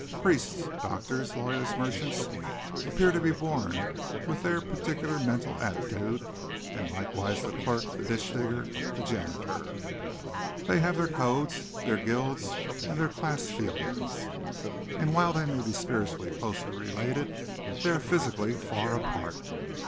Priests, doctors, lawyers, merchants, appear to be born with their particular mental attitude and likewise the clerk, the ditch digger, the janitor. They have their codes, their guilds and their class feelings. And while they may be spiritually closely related, they are physically far apart.